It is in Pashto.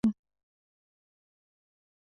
په دې تمدنونو کې سومریان او بابلیان شامل وو.